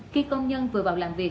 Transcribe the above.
khi công nhân vừa vào làm việc